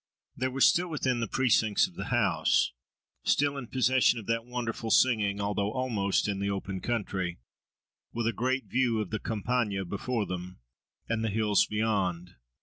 They were still within the precincts of the house, still in possession of that wonderful singing, although almost in the open country, with a great view of the Campagna before them, and the hills beyond.